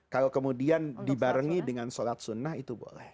kalau kemudian dibarengi dengan sholat sunnah itu boleh